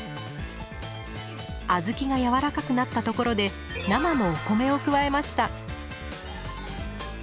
小豆がやわらかくなったところで生のお米を加えました。